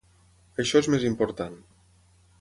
Això és més important.